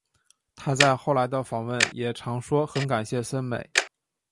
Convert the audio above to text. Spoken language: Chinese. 她在后来的访问也常说很感谢森美。